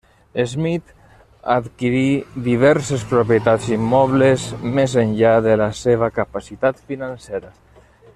Smith adquirí diverses propietats immobles, més enllà de la seva capacitat financera.